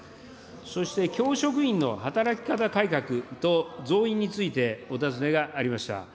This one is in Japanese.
そして教職員の働き方改革と増員についてお尋ねがありました。